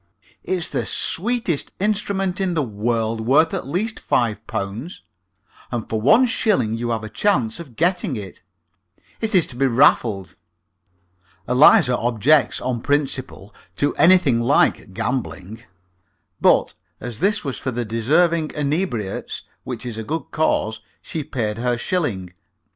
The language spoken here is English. It's the sweetest instrument in the world, worth at least five pounds, and for one shilling you have a chance of getting it. It is to be raffled." Eliza objects, on principle, to anything like gambling; but as this was for the Deserving Inebriates, which is a good cause, she paid her shilling.